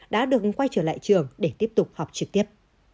đã được quay trở lại trường để tiếp tục học trực tiếp